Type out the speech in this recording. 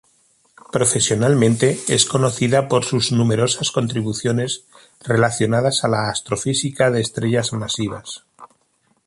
Profesionalmente, es conocida por sus numerosas contribuciones relacionadas a la astrofísica de estrellas masivas.